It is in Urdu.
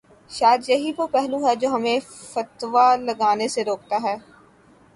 شاید یہی وہ پہلو ہے جو ہمیں فتوی لگانے سے روکتا ہے۔